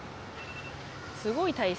すごい体勢。